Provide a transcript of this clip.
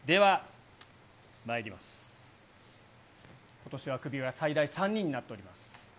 ことしはクビは、最大３人になっております。